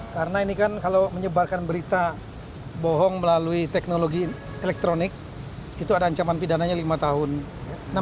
karena ini kan kalau menyebarkan berita bohong melalui teknologi elektronik itu ada ancaman pidananya lima tahun